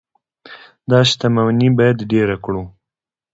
دا شتمني باید ډیره کړو.